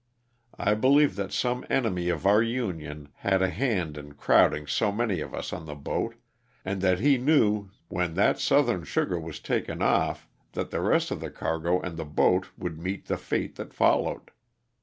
I believe that some enemy of our Union had a hand in crowding so many of us on the boat, and that he knew when that southern sugar was taken off that the rest of the cargo and the boat would meet the fate that followed.